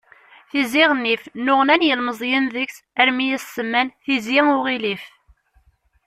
Tizi Ɣennif nnuɣnan yilmeẓyen deg-s armi i as-semman: Tizi Uɣilif.